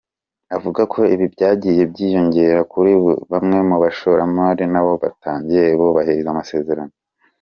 Avuga ko ibi byagiye byiyongera kuri bamwe mu bashoramari nabo batagiye bubahiriza amasezerano.